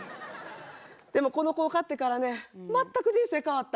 でもこの子を飼ってからね全く人生変わった。